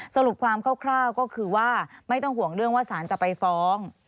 สรุปความคร่าวก็คือว่าไม่ต้องห่วงเรื่องว่าสารจะไปฟ้อง